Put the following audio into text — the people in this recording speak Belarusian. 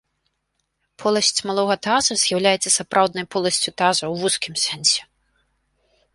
Поласць малога таза з'яўляецца сапраўднай поласцю таза ў вузкім сэнсе.